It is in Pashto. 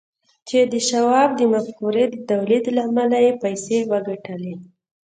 چې د شواب د مفکورې د توليد له امله يې پيسې وګټلې.